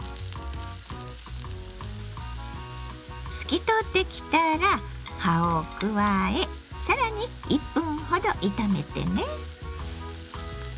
透き通ってきたら葉を加え更に１分ほど炒めてね。